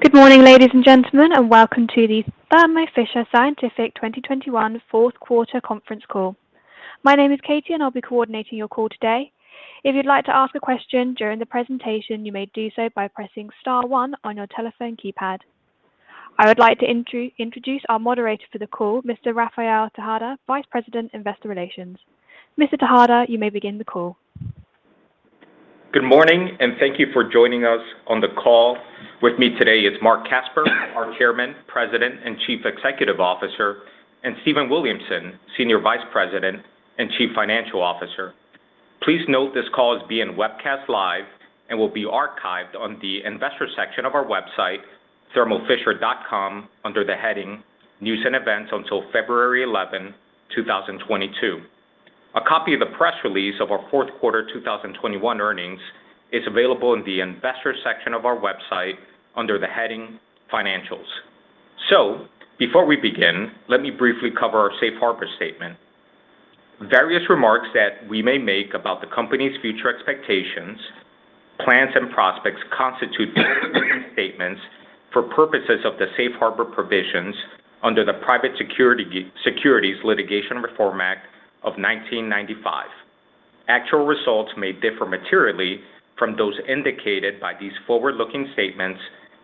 Good morning, ladies and gentlemen, and welcome to the Thermo Fisher Scientific 2021 fourth quarter conference call. My name is Katie and I'll be coordinating your call today. If you'd like to ask a question during the presentation, you may do so by pressing star one on your telephone keypad. I would like to introduce our moderator for the call, Mr. Rafael Tejada, Vice President, Investor Relations. Mr. Tejada, you may begin the call. Good morning, and thank you for joining us on the call. With me today is Marc Casper, our Chairman, President, and Chief Executive Officer, and Stephen Williamson, Senior Vice President and Chief Financial Officer. Please note this call is being webcast live and will be archived on the investor section of our website, thermofisher.com, under the heading News & Events until February 11, 2022. A copy of the press release of our fourth quarter 2021 earnings is available in the investor section of our website under the heading Financials. Before we begin, let me briefly cover our safe harbor statement. Various remarks that we may make about the company's future expectations, plans, and prospects constitute forward-looking statements for purposes of the safe harbor provisions under the Private Securities Litigation Reform Act of 1995. Actual results may differ materially from those indicated by these forward-looking statements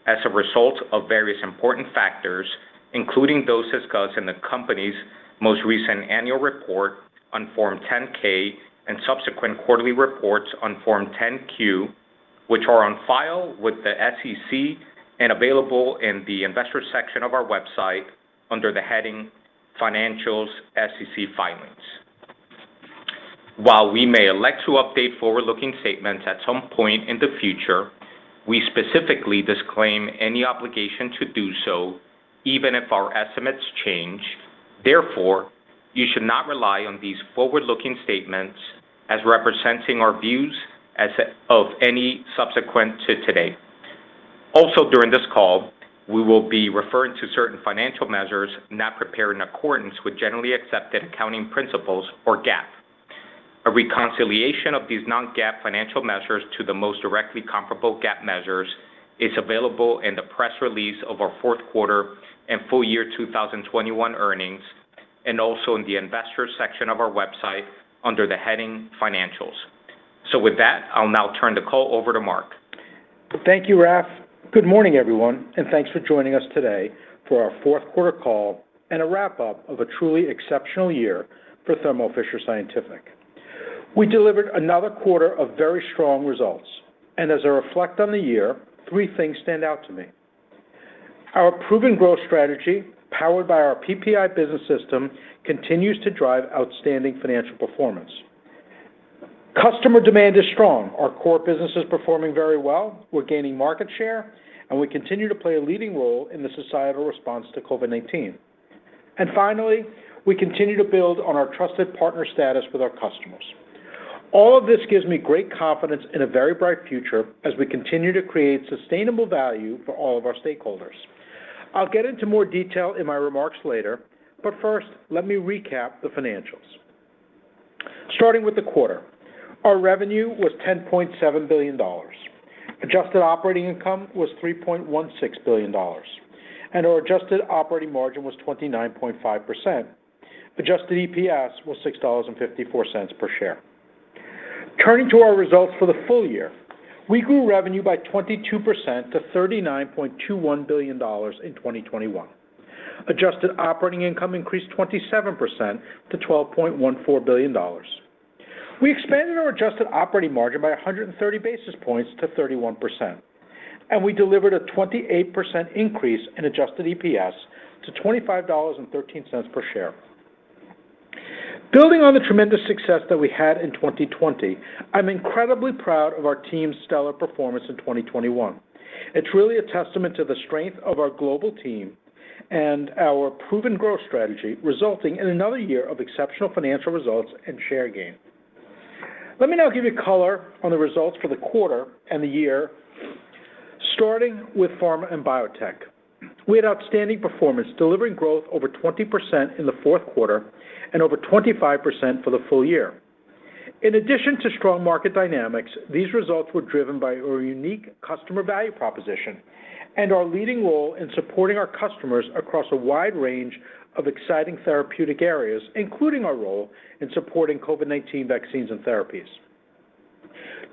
as a result of various important factors, including those discussed in the company's most recent annual report on Form 10-K and subsequent quarterly reports on Form 10-Q, which are on file with the SEC and available in the investor section of our website under the heading Financials, SEC Filings. While we may elect to update forward-looking statements at some point in the future, we specifically disclaim any obligation to do so, even if our estimates change. Therefore, you should not rely on these forward-looking statements as representing our views as of any date subsequent to today. Also, during this call, we will be referring to certain financial measures not prepared in accordance with generally accepted accounting principles or GAAP. A reconciliation of these non-GAAP financial measures to the most directly comparable GAAP measures is available in the press release of our fourth quarter and full year 2021 earnings, and also in the investor section of our website under the heading Financials. With that, I'll now turn the call over to Marc. Thank you, Raf. Good morning, everyone, and thanks for joining us today for our fourth quarter call and a wrap-up of a truly exceptional year for Thermo Fisher Scientific. We delivered another quarter of very strong results. As I reflect on the year, three things stand out to me. Our proven growth strategy, powered by our PPI business system, continues to drive outstanding financial performance. Customer demand is strong. Our core business is performing very well. We're gaining market share, and we continue to play a leading role in the societal response to COVID-19. Finally, we continue to build on our trusted partner status with our customers. All of this gives me great confidence in a very bright future as we continue to create sustainable value for all of our stakeholders. I'll get into more detail in my remarks later, but first, let me recap the financials. Starting with the quarter. Our revenue was $10.7 billion. Adjusted operating income was $3.16 billion, and our adjusted operating margin was 29.5%. Adjusted EPS was $6.54 per share. Turning to our results for the full year. We grew revenue by 22% to $39.21 billion in 2021. Adjusted operating income increased 27% to $12.14 billion. We expanded our adjusted operating margin by 130 basis points to 31%, and we delivered a 28% increase in adjusted EPS to $25.13 per share. Building on the tremendous success that we had in 2020, I'm incredibly proud of our team's stellar performance in 2021. It's really a testament to the strength of our global team and our proven growth strategy, resulting in another year of exceptional financial results and share gain. Let me now give you color on the results for the quarter and the year, starting with pharma and biotech. We had outstanding performance, delivering growth over 20% in the fourth quarter and over 25% for the full year. In addition to strong market dynamics, these results were driven by our unique customer value proposition and our leading role in supporting our customers across a wide range of exciting therapeutic areas, including our role in supporting COVID-19 vaccines and therapies.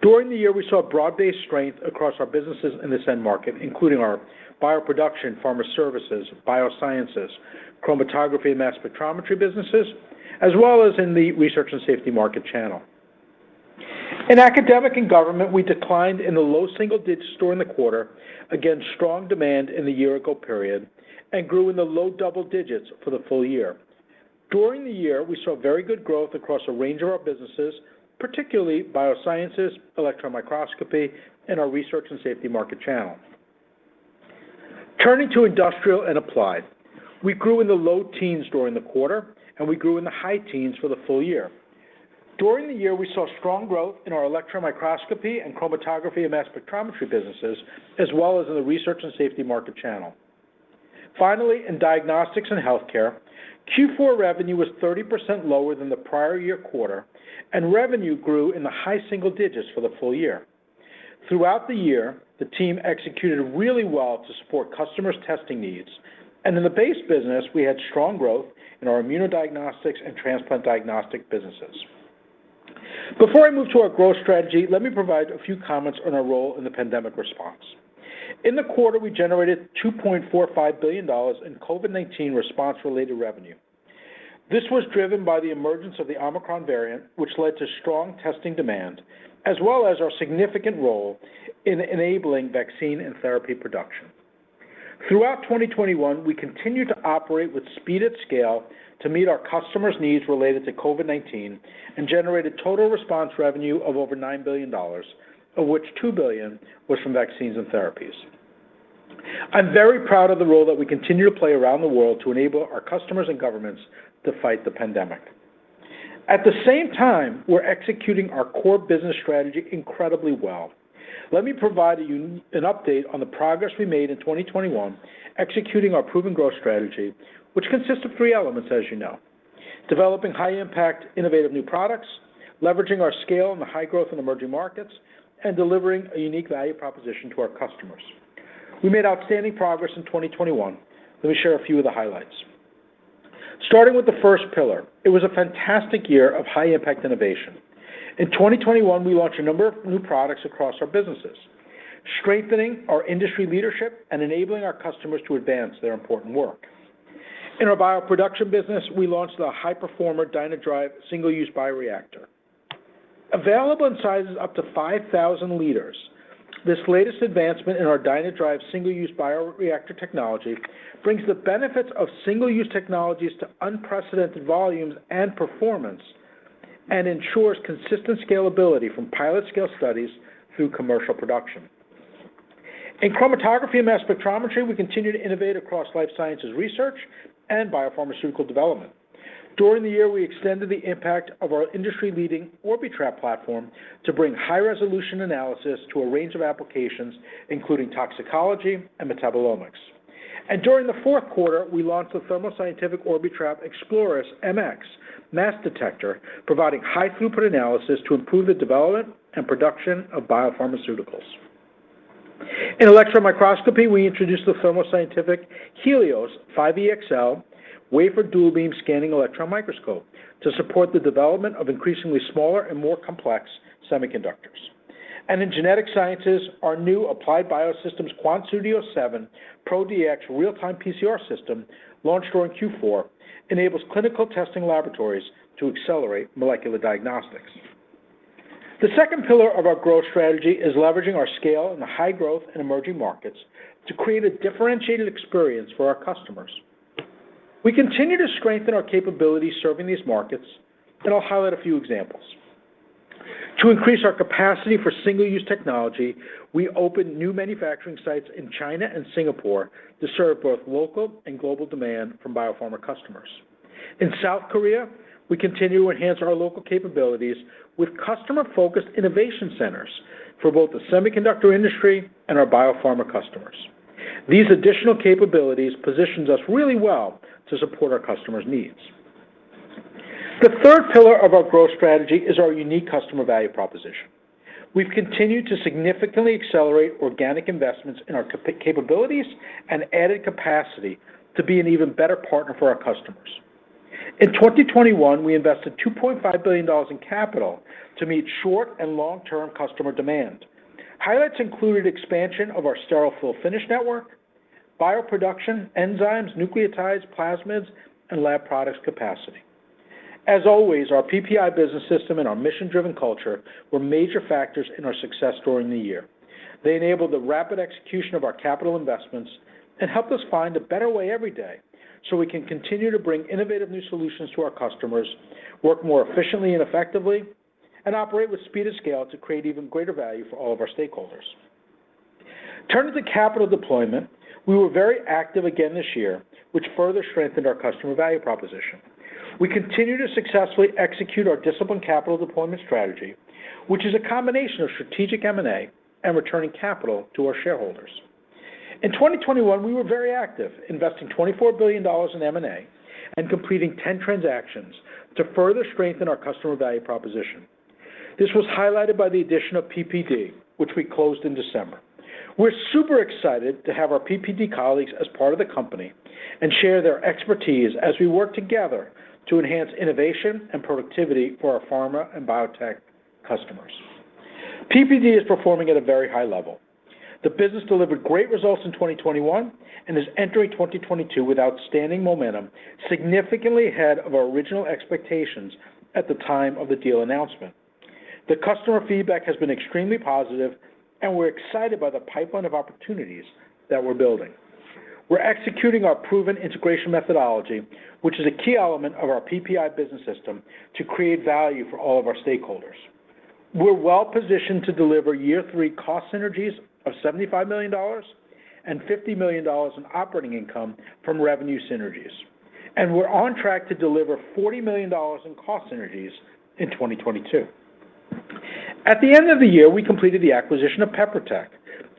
During the year, we saw broad-based strength across our businesses in this end market, including our bioproduction, pharma services, biosciences, chromatography, and mass spectrometry businesses, as well as in the research and safety market channel. In academic and government, we declined in the low single digits during the quarter against strong demand in the year-ago period and grew in the low double digits for the full year. During the year, we saw very good growth across a range of our businesses, particularly biosciences, electron microscopy, and our research and safety market channel. Turning to industrial and applied, we grew in the low teens during the quarter, and we grew in the high teens for the full year. During the year, we saw strong growth in our electron microscopy and chromatography and mass spectrometry businesses, as well as in the research and safety market channel. Finally, in diagnostics and healthcare, Q4 revenue was 30% lower than the prior year quarter, and revenue grew in the high single digits for the full year. Throughout the year, the team executed really well to support customers' testing needs. In the base business, we had strong growth in our immunodiagnostics and transplant diagnostic businesses. Before I move to our growth strategy, let me provide a few comments on our role in the pandemic response. In the quarter, we generated $2.45 billion in COVID-19 response-related revenue. This was driven by the emergence of the Omicron variant, which led to strong testing demand, as well as our significant role in enabling vaccine and therapy production. Throughout 2021, we continued to operate with speed and scale to meet our customers' needs related to COVID-19 and generated total response revenue of over $9 billion, of which $2 billion was from vaccines and therapies. I'm very proud of the role that we continue to play around the world to enable our customers and governments to fight the pandemic. At the same time, we're executing our core business strategy incredibly well. Let me provide you an update on the progress we made in 2021 executing our proven growth strategy, which consists of three elements, as you know, developing high-impact innovative new products, leveraging our scale in the high-growth and emerging markets, and delivering a unique value proposition to our customers. We made outstanding progress in 2021. Let me share a few of the highlights. Starting with the first pillar, it was a fantastic year of high-impact innovation. In 2021, we launched a number of new products across our businesses, strengthening our industry leadership and enabling our customers to advance their important work. In our bioproduction business, we launched the high-performer DynaDrive single-use bioreactor. Available in sizes up to 5,000 L, this latest advancement in our DynaDrive single-use bioreactor technology brings the benefits of single-use technologies to unprecedented volumes and performance and ensures consistent scalability from pilot scale studies through commercial production. In chromatography and mass spectrometry, we continue to innovate across life sciences research and biopharmaceutical development. During the year, we extended the impact of our industry-leading Orbitrap platform to bring high-resolution analysis to a range of applications, including toxicology and metabolomics. During the fourth quarter, we launched the Thermo Scientific Orbitrap Exploris MX mass detector, providing high throughput analysis to improve the development and production of biopharmaceuticals. In electron microscopy, we introduced the Thermo Scientific Helios 5 EXL DualBeam scanning electron microscope to support the development of increasingly smaller and more complex semiconductors. In genetic sciences, our new Applied Biosystems QuantStudio 7 Pro Dx Real-Time PCR System, launched during Q4, enables clinical testing laboratories to accelerate molecular diagnostics. The second pillar of our growth strategy is leveraging our scale in the high-growth and emerging markets to create a differentiated experience for our customers. We continue to strengthen our capabilities serving these markets, and I'll highlight a few examples. To increase our capacity for single-use technology, we opened new manufacturing sites in China and Singapore to serve both local and global demand from biopharma customers. In South Korea, we continue to enhance our local capabilities with customer-focused innovation centers for both the semiconductor industry and our biopharma customers. These additional capabilities position us really well to support our customers' needs. The third pillar of our growth strategy is our unique customer value proposition. We've continued to significantly accelerate organic investments in our capabilities and added capacity to be an even better partner for our customers. In 2021, we invested $2.5 billion in capital to meet short- and long-term customer demand. Highlights included expansion of our sterile fill-finish network, bioproduction, enzymes, nucleotides, plasmids, and lab products capacity. As always, our PPI business system and our mission-driven culture were major factors in our success during the year. They enabled the rapid execution of our capital investments and helped us find a better way every day so we can continue to bring innovative new solutions to our customers, work more efficiently and effectively, and operate with speed and scale to create even greater value for all of our stakeholders. Turning to capital deployment, we were very active again this year, which further strengthened our customer value proposition. We continue to successfully execute our disciplined capital deployment strategy, which is a combination of strategic M&A and returning capital to our shareholders. In 2021, we were very active, investing $24 billion in M&A and completing 10 transactions to further strengthen our customer value proposition. This was highlighted by the addition of PPD, which we closed in December. We're super excited to have our PPD colleagues as part of the company and share their expertise as we work together to enhance innovation and productivity for our pharma and biotech customers. PPD is performing at a very high level. The business delivered great results in 2021 and is entering 2022 with outstanding momentum, significantly ahead of our original expectations at the time of the deal announcement. The customer feedback has been extremely positive, and we're excited by the pipeline of opportunities that we're building. We're executing our proven integration methodology, which is a key element of our PPI business system, to create value for all of our stakeholders. We're well-positioned to deliver year three cost synergies of $75 million and $50 million in operating income from revenue synergies. We're on track to deliver $40 million in cost synergies in 2022. At the end of the year, we completed the acquisition of PeproTech,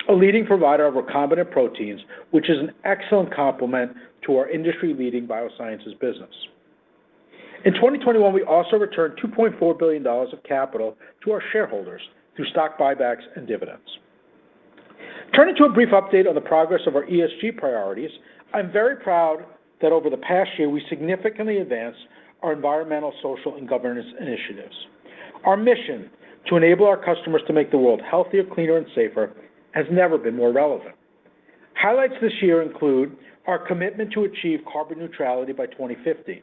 a leading provider of recombinant proteins, which is an excellent complement to our industry-leading biosciences business. In 2021, we also returned $2.4 billion of capital to our shareholders through stock buybacks and dividends. Turning to a brief update on the progress of our ESG priorities, I'm very proud that over the past year, we significantly advanced our environmental, social, and governance initiatives. Our mission to enable our customers to make the world healthier, cleaner, and safer has never been more relevant. Highlights this year include our commitment to achieve carbon neutrality by 2050.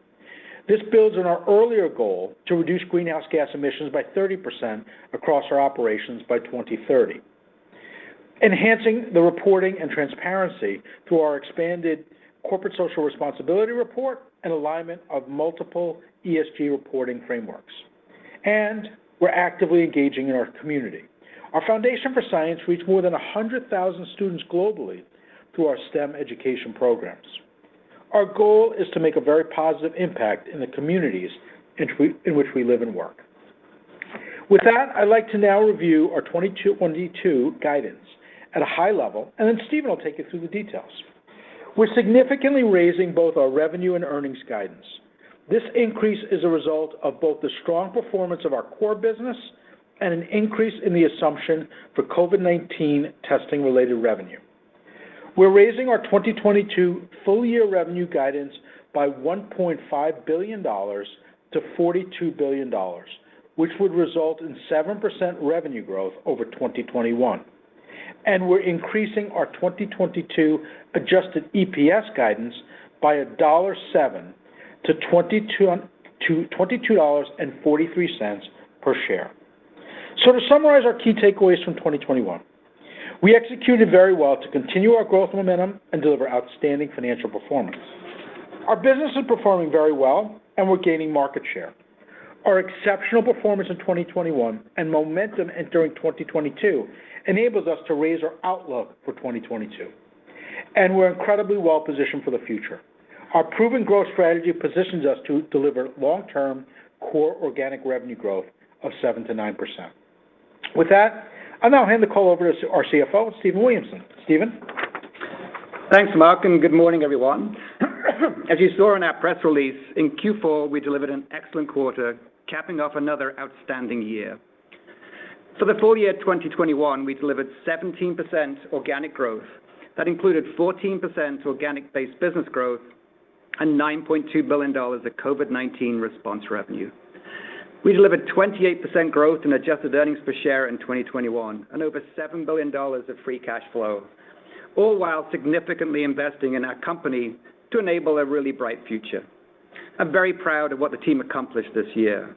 This builds on our earlier goal to reduce greenhouse gas emissions by 30% across our operations by 2030, enhancing the reporting and transparency through our expanded corporate social responsibility report and alignment of multiple ESG reporting frameworks. We're actively engaging in our community. Our foundation for science reached more than 100,000 students globally through our STEM education programs. Our goal is to make a very positive impact in the communities in which we live and work. With that, I'd like to now review our 2022 guidance at a high level, and then Stephen will take you through the details. We're significantly raising both our revenue and earnings guidance. This increase is a result of both the strong performance of our core business and an increase in the assumption for COVID-19 testing-related revenue. We're raising our 2022 full-year revenue guidance by $1.5 billion-$42 billion, which would result in 7% revenue growth over 2021. We're increasing our 2022 adjusted EPS guidance by $7-$22.43 per share. To summarize our key takeaways from 2021, we executed very well to continue our growth momentum and deliver outstanding financial performance. Our business is performing very well, and we're gaining market share. Our exceptional performance in 2021 and momentum entering 2022 enables us to raise our outlook for 2022, and we're incredibly well-positioned for the future. Our proven growth strategy positions us to deliver long-term core organic revenue growth of 7%-9%. With that, I'll now hand the call over to our CFO, Stephen Williamson. Stephen? Thanks, Marc, and good morning, everyone. As you saw in our press release, in Q4, we delivered an excellent quarter, capping off another outstanding year. For the full year 2021, we delivered 17% organic growth. That included 14% organic-based business growth and $9.2 billion of COVID-19 response revenue. We delivered 28% growth in adjusted earnings per share in 2021 and over $7 billion of free cash flow, all while significantly investing in our company to enable a really bright future. I'm very proud of what the team accomplished this year.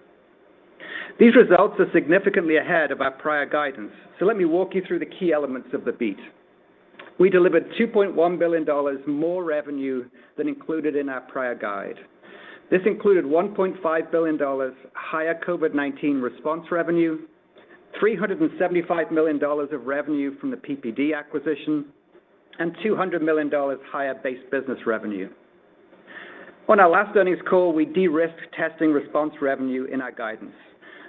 These results are significantly ahead of our prior guidance, so let me walk you through the key elements of the beat. We delivered $2.1 billion more revenue than included in our prior guide. This included $1.5 billion higher COVID-19 response revenue, $375 million of revenue from the PPD acquisition, and $200 million higher base business revenue. On our last earnings call, we de-risked testing response revenue in our guidance,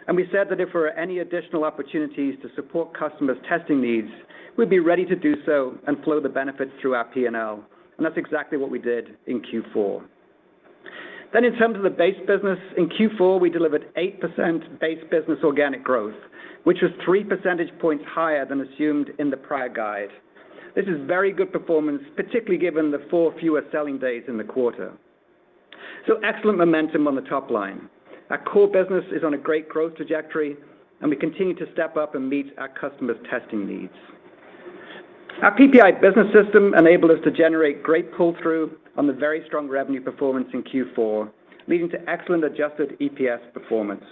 and we said that if there were any additional opportunities to support customers' testing needs, we'd be ready to do so and flow the benefits through our P&L, and that's exactly what we did in Q4. In terms of the base business, in Q4, we delivered 8% base business organic growth, which was 3 percentage points higher than assumed in the prior guide. This is very good performance, particularly given the four fewer selling days in the quarter. Excellent momentum on the top line. Our core business is on a great growth trajectory, and we continue to step up and meet our customers' testing needs. Our PPI business system enabled us to generate great pull-through on the very strong revenue performance in Q4, leading to excellent adjusted EPS performance.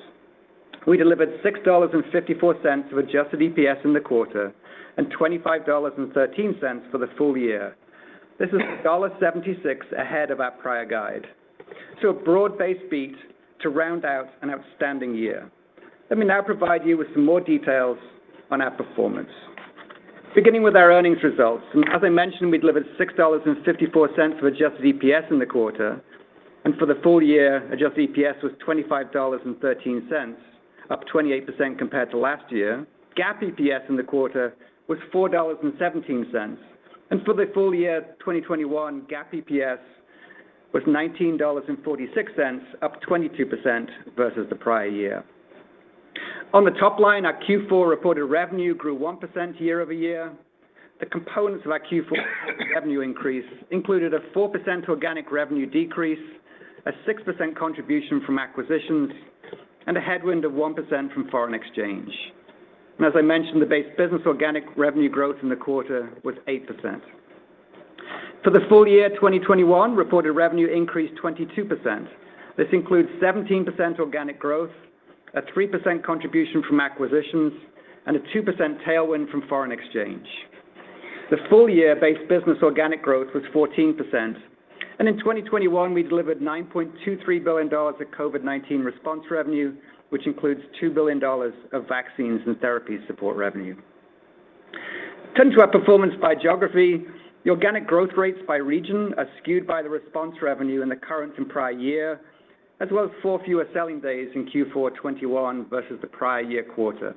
We delivered $6.54 of adjusted EPS in the quarter and $25.13 for the full year. This is $1.76 ahead of our prior guide. A broad-based beat to round out an outstanding year. Let me now provide you with some more details on our performance. Beginning with our earnings results, and as I mentioned, we delivered $6.54 of adjusted EPS in the quarter. For the full year, adjusted EPS was $25.13, up 28% compared to last year. GAAP EPS in the quarter was $4.17. For the full year 2021, GAAP EPS was $19.46, up 22% versus the prior year. On the top line, our Q4 reported revenue grew 1% year-over-year. The components of our Q4 revenue increase included a 4% organic revenue decrease, a 6% contribution from acquisitions, and a headwind of 1% from foreign exchange. As I mentioned, the base business organic revenue growth in the quarter was 8%. For the full year 2021, reported revenue increased 22%. This includes 17% organic growth, a 3% contribution from acquisitions, and a 2% tailwind from foreign exchange. The full year base business organic growth was 14%. In 2021, we delivered $9.23 billion of COVID-19 response revenue, which includes $2 billion of vaccines and therapy support revenue. Turning to our performance by geography, the organic growth rates by region are skewed by the response revenue in the current and prior year, as well as four fewer selling days in Q4 2021 versus the prior year quarter.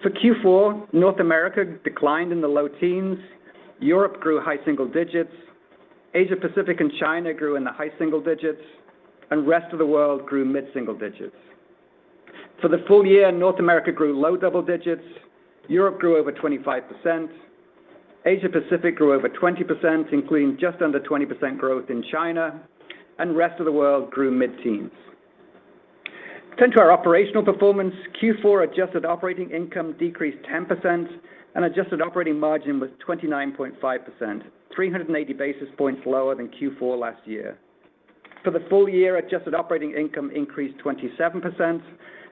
For Q4, North America declined in the low teens. Europe grew high single digits. Asia-Pacific and China grew in the high single digits. Rest of the world grew mid-single digits. For the full year, North America grew low double digits. Europe grew over 25%. Asia-Pacific grew over 20%, including just under 20% growth in China. Rest of the world grew mid-teens. Turning to our operational performance, Q4 adjusted operating income decreased 10% and adjusted operating margin was 29.5%, 380 basis points lower than Q4 last year. For the full year, adjusted operating income increased 27%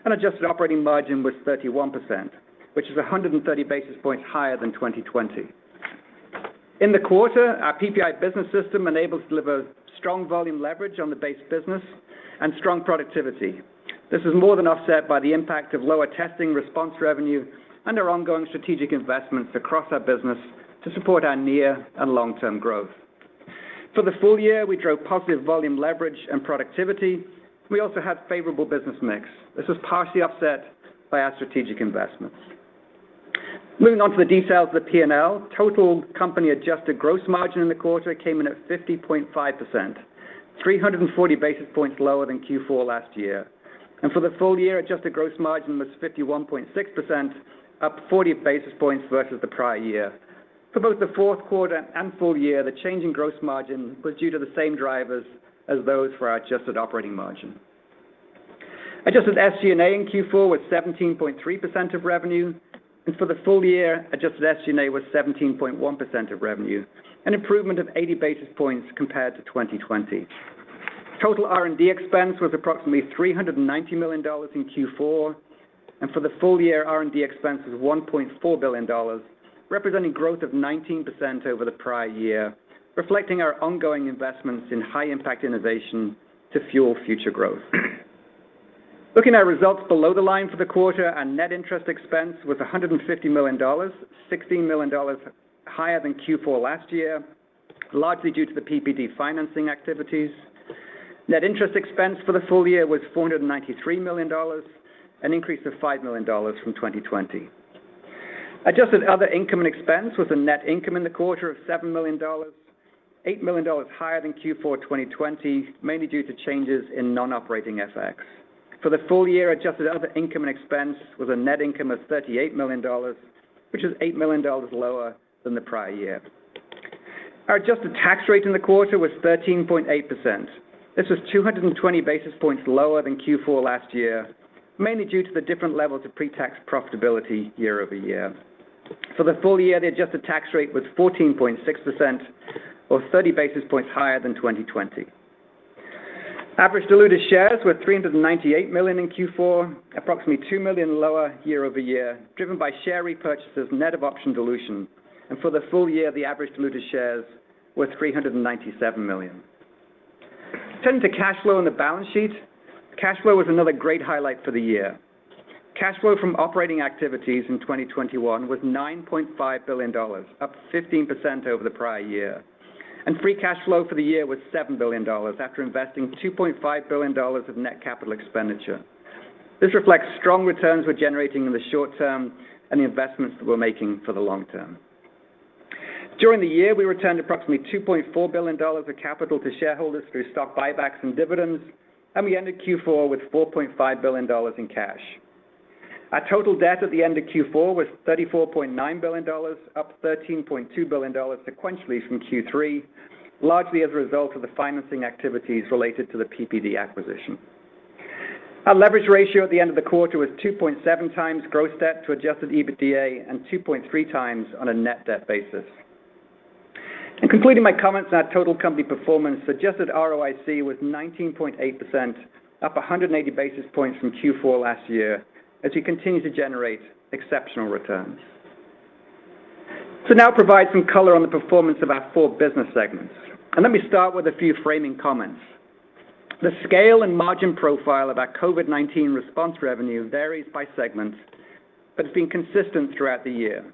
and adjusted operating margin was 31%, which is 130 basis points higher than 2020. In the quarter, our PPI business system enables to deliver strong volume leverage on the base business and strong productivity. This is more than offset by the impact of lower testing response revenue and our ongoing strategic investments across our business to support our near and long-term growth. For the full year, we drove positive volume leverage and productivity. We also had favorable business mix. This was partially offset by our strategic investments. Moving on to the details of the P&L. Total company adjusted gross margin in the quarter came in at 50.5%, 340 basis points lower than Q4 last year. For the full year, adjusted gross margin was 51.6%, up 40 basis points versus the prior year. For both the fourth quarter and full year, the change in gross margin was due to the same drivers as those for our adjusted operating margin. Adjusted SG&A in Q4 was 17.3% of revenue, and for the full year, adjusted SG&A was 17.1% of revenue, an improvement of 80 basis points compared to 2020. Total R&D expense was approximately $390 million in Q4. For the full year, R&D expense was $1.4 billion, representing growth of 19% over the prior year, reflecting our ongoing investments in high impact innovation to fuel future growth. Looking at results below the line for the quarter, our net interest expense was $150 million, $16 million higher than Q4 last year, largely due to the PPD financing activities. Net interest expense for the full year was $493 million, an increase of $5 million from 2020. Adjusted other income and expense was a net income in the quarter of $7 million, $8 million higher than Q4 2020, mainly due to changes in non-operating FX. For the full year, adjusted other income and expense was a net income of $38 million, which is $8 million lower than the prior year. Our adjusted tax rate in the quarter was 13.8%. This was 220 basis points lower than Q4 last year, mainly due to the different levels of pre-tax profitability year-over-year. For the full year, the adjusted tax rate was 14.6% or 30 basis points higher than 2020. Average diluted shares were $398 million in Q4, approximately $2 million lower year-over-year, driven by share repurchases net of option dilution. For the full year, the average diluted shares was $397 million. Turning to cash flow and the balance sheet. Cash flow was another great highlight for the year. Cash flow from operating activities in 2021 was $9.5 billion, up 15% over the prior year. Free cash flow for the year was $7 billion after investing $2.5 billion of net capital expenditure. This reflects strong returns we're generating in the short term and the investments that we're making for the long term. During the year, we returned approximately $2.4 billion of capital to shareholders through stock buybacks and dividends, and we ended Q4 with $4.5 billion in cash. Our total debt at the end of Q4 was $34.9 billion, up $13.2 billion sequentially from Q3, largely as a result of the financing activities related to the PPD acquisition. Our leverage ratio at the end of the quarter was 2.7x gross debt to adjusted EBITDA and 2.3x on a net debt basis. Completing my comments on our total company performance, adjusted ROIC was 19.8%, up 180 basis points from Q4 last year, as we continue to generate exceptional returns. To now provide some color on the performance of our four business segments, let me start with a few framing comments. The scale and margin profile of our COVID-19 response revenue varies by segment, but it's been consistent throughout the year.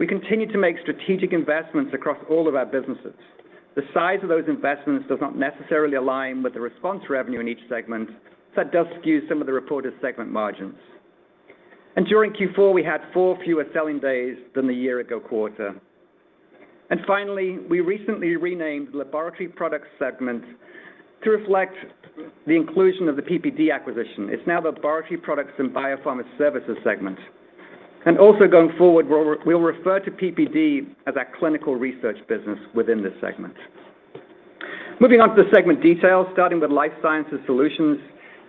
We continue to make strategic investments across all of our businesses. The size of those investments does not necessarily align with the response revenue in each segment, so that does skew some of the reported segment margins. During Q4, we had four fewer selling days than the year ago quarter. Finally, we recently renamed the Laboratory Products segment to reflect the inclusion of the PPD acquisition. It's now the Laboratory Products and Biopharma Services segment. Also going forward, we'll refer to PPD as our clinical research business within this segment. Moving on to the segment details, starting with Life Sciences Solutions.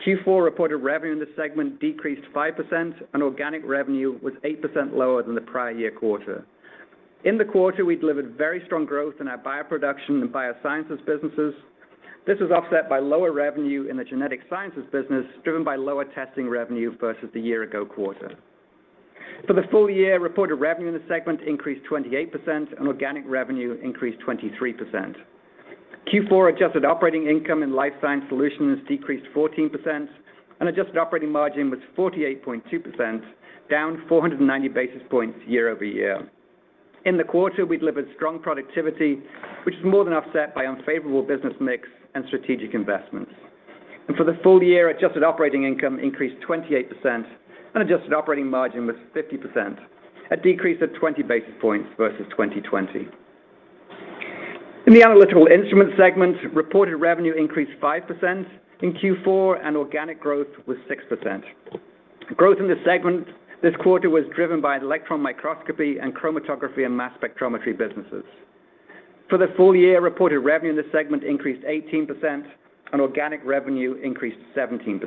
Q4 reported revenue in this segment decreased 5%, and organic revenue was 8% lower than the prior year quarter. In the quarter, we delivered very strong growth in our bioproduction and biosciences businesses. This was offset by lower revenue in the genetic sciences business, driven by lower testing revenue versus the year ago quarter. For the full year, reported revenue in this segment increased 28%, and organic revenue increased 23%. Q4 adjusted operating income in Life Sciences Solutions decreased 14% and adjusted operating margin was 48.2%, down 490 basis points year-over-year. In the quarter, we delivered strong productivity, which is more than offset by unfavorable business mix and strategic investments. For the full year, adjusted operating income increased 28% and adjusted operating margin was 50%, a decrease of 20 basis points versus 2020. In the Analytical Instruments segment, reported revenue increased 5% in Q4 and organic growth was 6%. Growth in this segment this quarter was driven by electron microscopy and chromatography and mass spectrometry businesses. For the full year, reported revenue in this segment increased 18% and organic revenue increased 17%.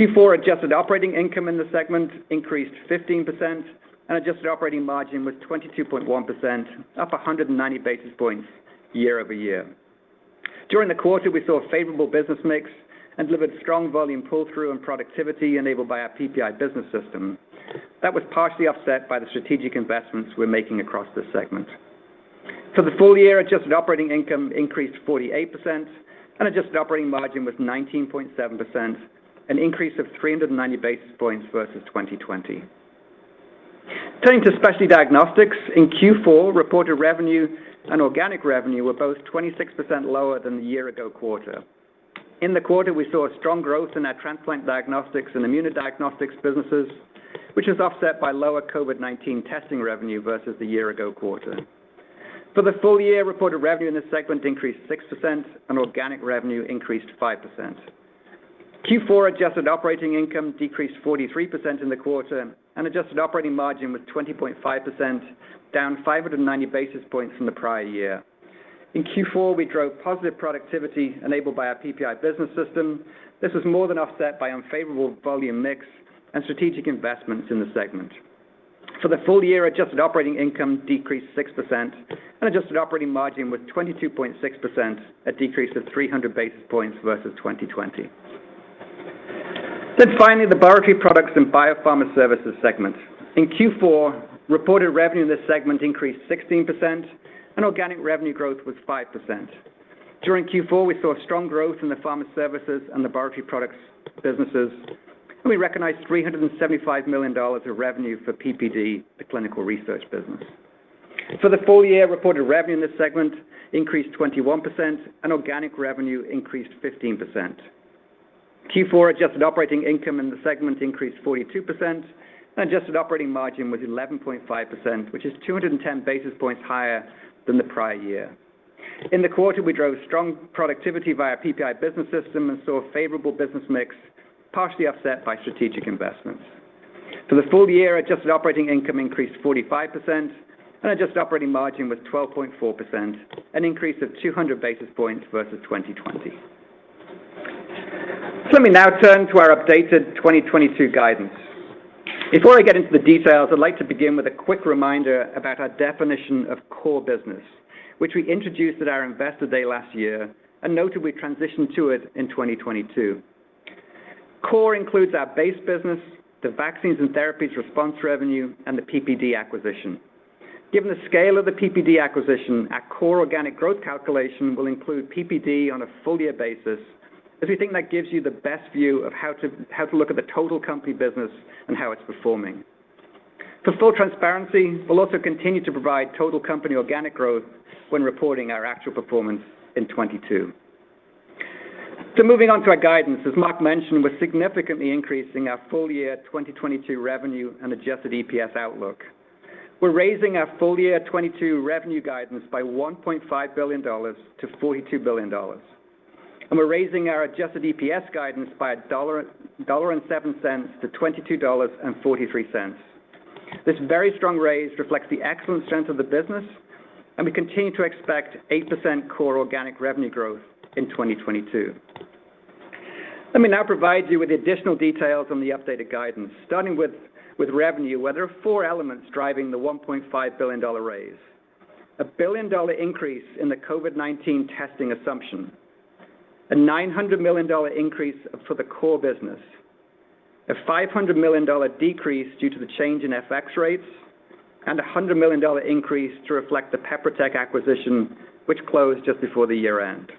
Q4 adjusted operating income in this segment increased 15% and adjusted operating margin was 22.1%, up 190 basis points year-over-year. During the quarter, we saw a favorable business mix and delivered strong volume pull-through and productivity enabled by our PPI business system. That was partially offset by the strategic investments we're making across this segment. For the full year, adjusted operating income increased 48% and adjusted operating margin was 19.7%, an increase of 390 basis points versus 2020. Turning to Specialty Diagnostics. In Q4, reported revenue and organic revenue were both 26% lower than the year ago quarter. In the quarter, we saw strong growth in our transplant diagnostics and immunodiagnostics businesses, which is offset by lower COVID-19 testing revenue versus the year ago quarter. For the full year, reported revenue in this segment increased 6% and organic revenue increased 5%. Q4 adjusted operating income decreased 43% in the quarter and adjusted operating margin was 20.5%, down 590 basis points from the prior year. In Q4, we drove positive productivity enabled by our PPI business system. This was more than offset by unfavorable volume mix and strategic investments in the segment. For the full year, adjusted operating income decreased 6% and adjusted operating margin was 22.6%, a decrease of 300 basis points versus 2020. Finally, the Laboratory Products and Biopharma Services segment. In Q4, reported revenue in this segment increased 16% and organic revenue growth was 5%. During Q4, we saw strong growth in the pharma services and laboratory products businesses, and we recognized $375 million of revenue for PPD, the clinical research business. For the full year, reported revenue in this segment increased 21% and organic revenue increased 15%. Q4 adjusted operating income in the segment increased 42% and adjusted operating margin was 11.5%, which is 210 basis points higher than the prior year. In the quarter, we drove strong productivity via PPI business system and saw a favorable business mix, partially offset by strategic investments. For the full year, adjusted operating income increased 45% and adjusted operating margin was 12.4%, an increase of 200 basis points versus 2020. Let me now turn to our updated 2022 guidance. Before I get into the details, I'd like to begin with a quick reminder about our definition of core business, which we introduced at our Investor Day last year and noted we transitioned to it in 2022. Core includes our base business, the vaccines and therapies response revenue, and the PPD acquisition. Given the scale of the PPD acquisition, our core organic growth calculation will include PPD on a full year basis, as we think that gives you the best view of how to look at the total company business and how it's performing. For full transparency, we'll also continue to provide total company organic growth when reporting our actual performance in 2022. Moving on to our guidance. As Marc mentioned, we're significantly increasing our full year 2022 revenue and adjusted EPS outlook. We're raising our full year 2022 revenue guidance by $1.5 billion-$42 billion. We're raising our adjusted EPS guidance by $1.07-$22.43. This very strong raise reflects the excellent strength of the business, and we continue to expect 8% core organic revenue growth in 2022. Let me now provide you with additional details on the updated guidance, starting with revenue, where there are four elements driving the $1.5 billion raise. A $1 billion increase in the COVID-19 testing assumption. A $900 million increase for the core business. A $500 million decrease due to the change in FX rates. A $100 million increase to reflect the PeproTech acquisition, which closed just before the year-end.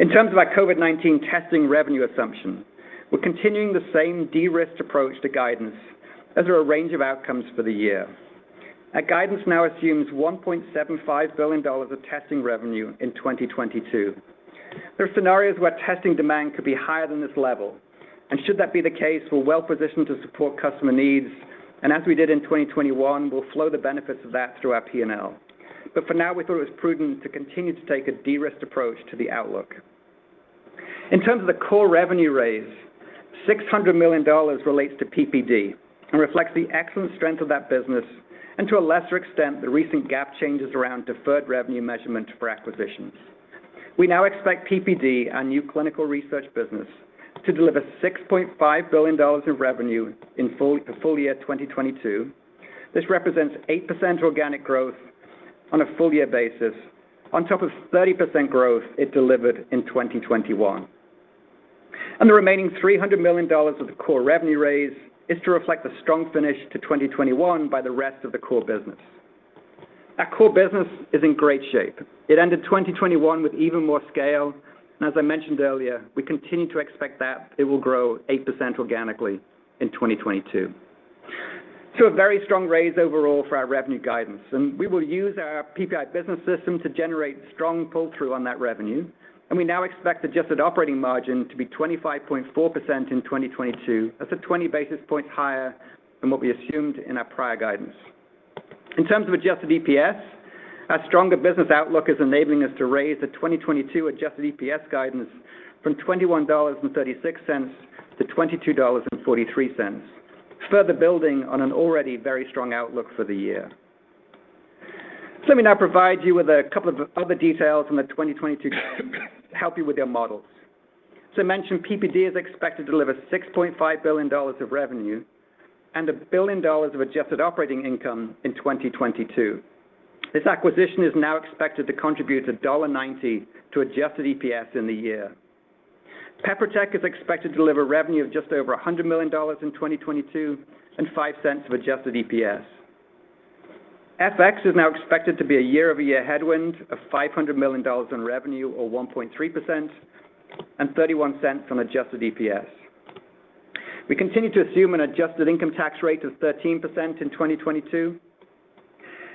In terms of our COVID-19 testing revenue assumption, we're continuing the same de-risked approach to guidance as there are a range of outcomes for the year. Our guidance now assumes $1.75 billion of testing revenue in 2022. There are scenarios where testing demand could be higher than this level, and should that be the case, we're well-positioned to support customer needs. As we did in 2021, we'll flow the benefits of that through our P&L. For now, we thought it was prudent to continue to take a de-risked approach to the outlook. In terms of the core revenue raise, $600 million relates to PPD and reflects the excellent strength of that business and to a lesser extent, the recent GAAP changes around deferred revenue measurement for acquisitions. We now expect PPD, our new clinical research business, to deliver $6.5 billion of revenue in full year 2022. This represents 8% organic growth on a full year basis on top of 30% growth it delivered in 2021. The remaining $300 million of the core revenue raise is to reflect the strong finish to 2021 by the rest of the core business. Our core business is in great shape. It ended 2021 with even more scale, and as I mentioned earlier, we continue to expect that it will grow 8% organically in 2022. A very strong raise overall for our revenue guidance, and we will use our PPI business system to generate strong pull-through on that revenue, and we now expect adjusted operating margin to be 25.4% in 2022. That's at 20 basis points higher than what we assumed in our prior guidance. In terms of adjusted EPS, our stronger business outlook is enabling us to raise the 2022 adjusted EPS guidance from $21.36-$22.43, further building on an already very strong outlook for the year. Let me now provide you with a couple of other details on the 2022 to help you with your models. As I mentioned, PPD is expected to deliver $6.5 billion of revenue and $1 billion of adjusted operating income in 2022. This acquisition is now expected to contribute $1.90 to adjusted EPS in the year. PeproTech is expected to deliver revenue of just over $100 million in 2022 and $0.05 of adjusted EPS. FX is now expected to be a year-over-year headwind of $500 million in revenue or 1.3% and $0.31 on adjusted EPS. We continue to assume an adjusted income tax rate of 13% in 2022.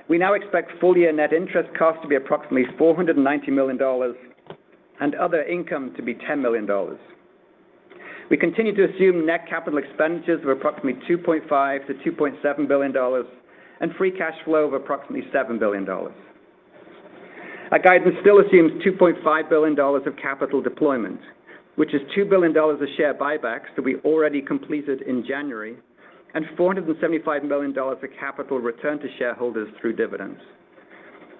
We now expect full-year net interest costs to be approximately $490 million and other income to be $10 million. We continue to assume net capital expenditures of approximately $2.5 billion-$2.7 billion and free cash flow of approximately $7 billion. Our guidance still assumes $2.5 billion of capital deployment, which is $2 billion of share buybacks that we already completed in January and $475 million of capital returned to shareholders through dividends.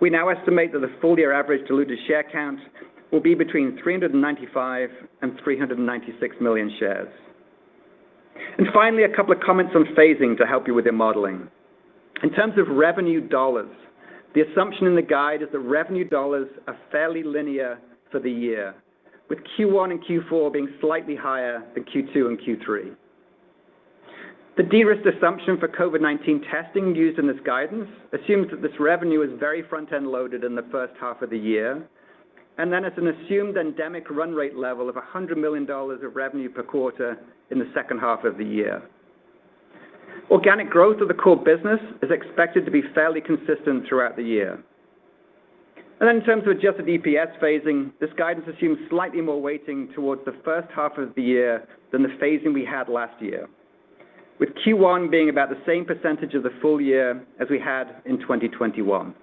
We now estimate that the full-year average diluted share count will be between $395 million and $396 million shares. Finally, a couple of comments on phasing to help you with your modeling. In terms of revenue dollars, the assumption in the guide is that revenue dollars are fairly linear for the year, with Q1 and Q4 being slightly higher than Q2 and Q3. The de-risk assumption for COVID-19 testing used in this guidance assumes that this revenue is very front-end loaded in the first half of the year, and then it's an assumed endemic run rate level of $100 million of revenue per quarter in the second half of the year. Organic growth of the core business is expected to be fairly consistent throughout the year. In terms of adjusted EPS phasing, this guidance assumes slightly more weighting towards the first half of the year than the phasing we had last year, with Q1 being about the same percentage of the full year as we had in 2021.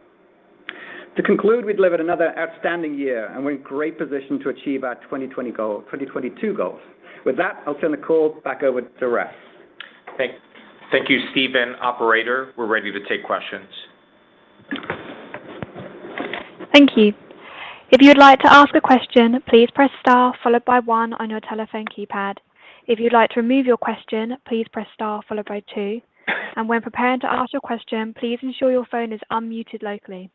To conclude, we've delivered another outstanding year, and we're in great position to achieve our 2022 goals. With that, I'll turn the call back over to Raf. Thank you, Stephen and operator. We're ready to take questions. Thank you. If you'd like to ask a question, please press star followed by one on your telephone keypad. If you'd like to remove your question, please press star followed by two. When preparing to ask your question, please ensure your phone is unmuted locally.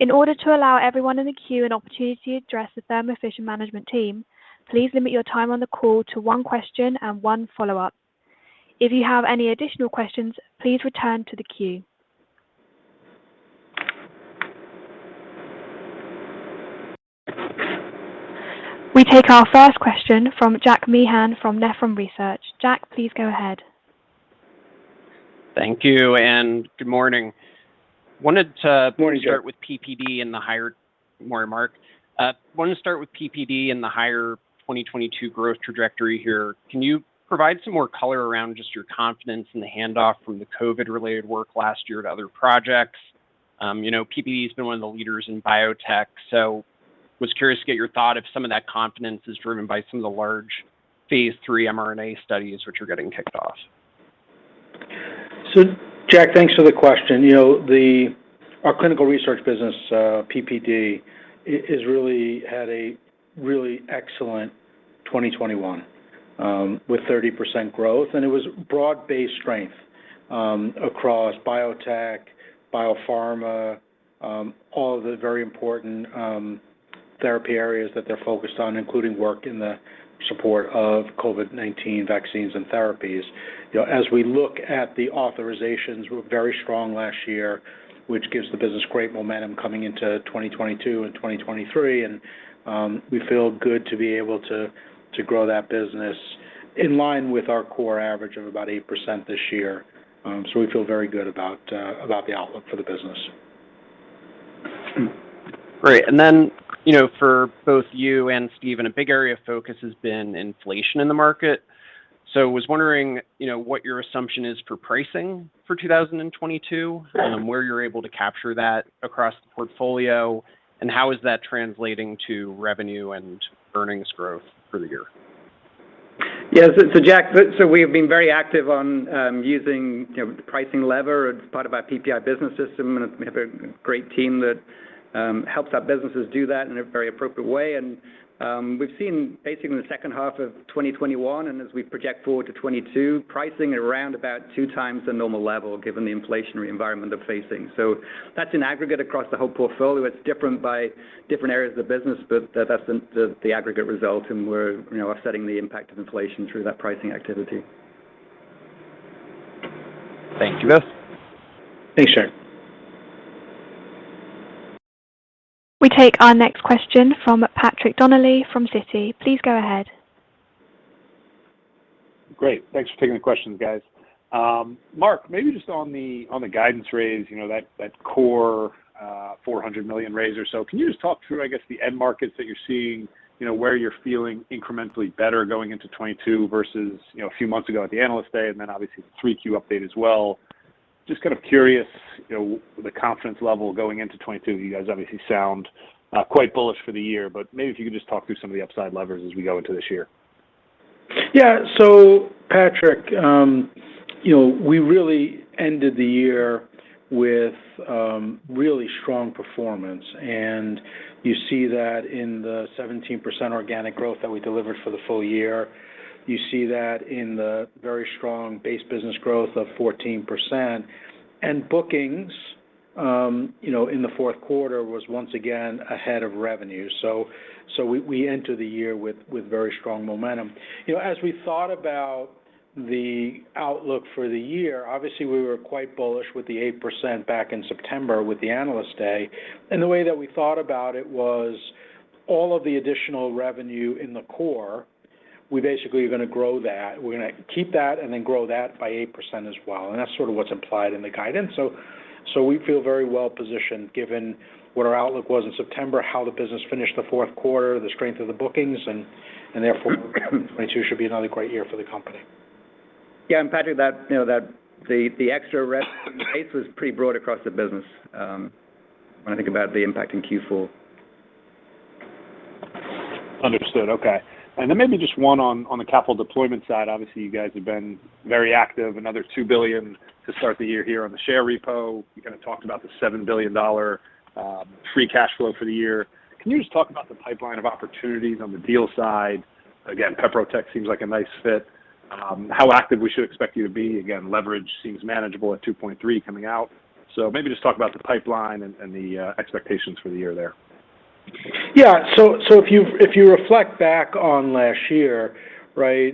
In order to allow everyone in the queue an opportunity to address the Thermo Fisher management team, please limit your time on the call to one question and one follow-up. If you have any additional questions, please return to the queue. We take our first question from Jack Meehan from Nephron Research. Jack, please go ahead. Thank you, and good morning. Morning, Jack. Morning, Marc. Wanted to start with PPD and the higher 2022 growth trajectory here. Can you provide some more color around just your confidence in the handoff from the COVID-related work last year to other projects? You know, PPD's been one of the leaders in biotech, so was curious to get your thought if some of that confidence is driven by some of the large phase III mRNA studies which are getting kicked off? Jack, thanks for the question. Our clinical research business, PPD, has really had a really excellent 2021, with 30% growth, and it was broad-based strength across biotech, biopharma, all of the very important therapy areas that they're focused on, including work in the support of COVID-19 vaccines and therapies. As we look at the authorizations, we were very strong last year, which gives the business great momentum coming into 2022 and 2023, and we feel good to be able to grow that business in line with our core average of about 8% this year. We feel very good about the outlook for the business. Great. You know, for both you and Stephen, a big area of focus has been inflation in the market. I was wondering, you know, what your assumption is for pricing for 2022? Sure. Where you're able to capture that across the portfolio, and how is that translating to revenue and earnings growth for the year? Yeah. Jack, we have been very active on using the pricing lever as part of our PPI business system, and we have a great team that helps our businesses do that in a very appropriate way. We've seen basically in the second half of 2021, and as we project forward to 2022, pricing around about 2x the normal level given the inflationary environment they're facing. That's in aggregate across the whole portfolio. It's different by different areas of the business, but that's the aggregate result, and we're offsetting the impact of inflation through that pricing activity. Thank you both. Thanks, [Jack]. We take our next question from Patrick Donnelly from Citi. Please go ahead. Great. Thanks for taking the questions, guys. Marc, maybe just on the guidance raise, you know, that core $400 million raise or so. Can you just talk through, I guess, the end markets that you're seeing, you know, where you're feeling incrementally better going into 2022 versus, you know, a few months ago at the Investor Day and then obviously the 3Q update as well? Just kind of curious, you know, the confidence level going into 2022. You guys obviously sound quite bullish for the year, but maybe if you could just talk through some of the upside levers as we go into this year? Patrick, you know, we really ended the year with really strong performance. You see that in the 17% organic growth that we delivered for the full year. You see that in the very strong base business growth of 14%. Bookings in the fourth quarter was once again ahead of revenue. We enter the year with very strong momentum. As we thought about the outlook for the year, obviously we were quite bullish with the 8% back in September with the Investor Day. The way that we thought about it was all of the additional revenue in the core, we basically are gonna grow that. We're gonna keep that and then grow that by 8% as well, and that's sort of what's implied in the guidance. We feel very well positioned given what our outlook was in September, how the business finished the fourth quarter, the strength of the bookings and therefore 2022 should be another great year for the company. Yeah, Patrick, you know, the extra rev base was pretty broad across the business when I think about the impact in Q4. Understood. Okay. Maybe just one on the capital deployment side. Obviously, you guys have been very active, another $2 billion to start the year here on the share repo. You kind of talked about the $7 billion free cash flow for the year. Can you just talk about the pipeline of opportunities on the deal side? Again, PeproTech seems like a nice fit. How active we should expect you to be? Again, leverage seems manageable at 2.3 coming out. Maybe just talk about the pipeline and the expectations for the year there? If you reflect back on last year, right?